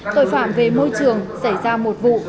tội phạm về môi trường xảy ra một vụ